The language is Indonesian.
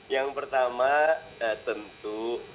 yang pertama tentu